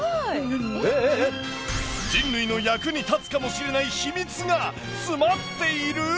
人類の役に立つかもしれない秘密が詰まっている！？